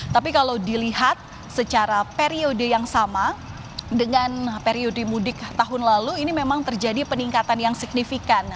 tapi kalau dilihat secara periode yang sama dengan periode mudik tahun lalu ini memang terjadi peningkatan yang signifikan